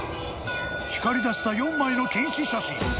光り出した４枚の検死写真。